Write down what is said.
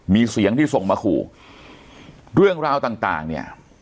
มีเสียงที่ส่งมาขู่เรื่องราวต่างเนี่ย